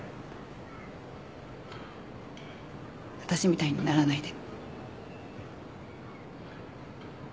私みたいにならないで。